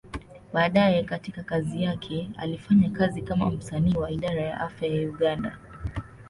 Baadaye katika kazi yake, alifanya kazi kama msanii wa Idara ya Afya ya Uganda.